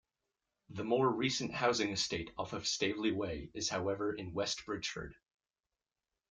The more recent housing estate off of Stavely Way, is however in West Bridgford.